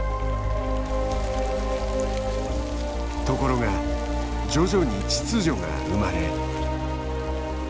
ところが徐々に秩序が生まれ。